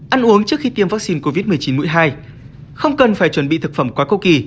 ăn uống trước khi tiêm vaccine covid một mươi chín mũi hai không cần phải chuẩn bị thực phẩm quá cố kỳ